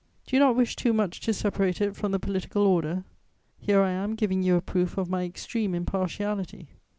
Do you not wish too much to separate it from the political order? Here I am giving you a proof of my extreme impartiality.